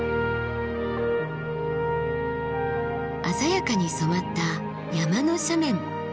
鮮やかに染まった山の斜面。